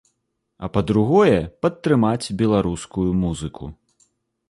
А па-другое, падтрымаць беларускую музыку.